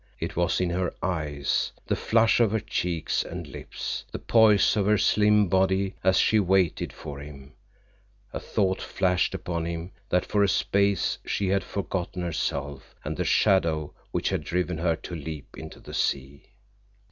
It was in her eyes, the flush of her cheeks and lips, the poise of her slim body as she waited for him. A thought flashed upon him that for a space she had forgotten herself and the shadow which had driven her to leap into the sea.